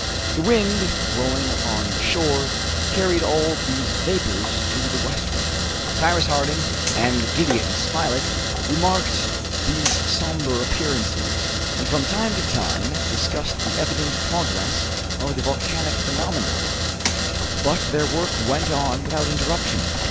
The wind, blowing on the shore, carried all these vapors to the westward. Cyrus Harding and Gideon Spilett remarked these somber appearances, and from time to time discussed the evident progress of the volcanic phenomena, but their work went on without interruption.